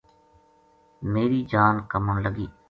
میرِی جان کمن لگی